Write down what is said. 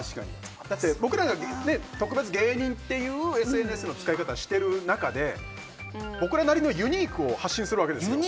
だって、僕らが芸人というＳＮＳの使い方をしている中で僕らなりのユニークを発信するわけです。